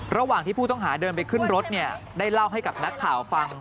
ระหว่างที่ผู้ต้องหาเดินไปขึ้นรถได้เล่าให้กับนักข่าวฟัง